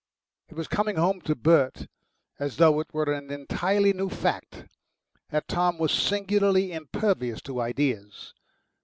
It was coming home to Bert, as though it were an entirely new fact, that Tom was singularly impervious to ideas.